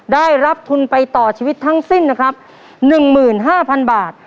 ได้รับทุนไปต่อชีวิตทั้งสิ้นนะครับหนึ่งหมื่นห้าพันบาท